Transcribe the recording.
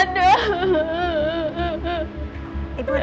nia nanti aku akan bantu